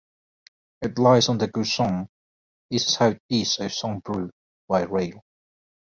It lies on the Gouessant east-southeast of Saint-Brieuc by rail.